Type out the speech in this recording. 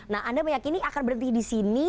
nah anda meyakini akan berhenti di sini